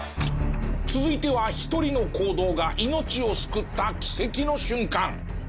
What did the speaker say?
続いては１人の行動が命を救った奇跡の瞬間。